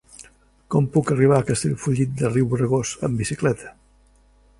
Com puc arribar a Castellfollit de Riubregós amb bicicleta?